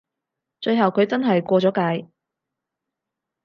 最後佢真係過咗界